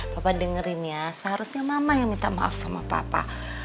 bapak dengerin ya seharusnya mama yang minta maaf sama papa